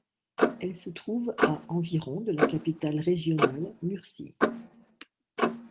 Elle se trouve à environ de la capitale régionale, Murcie.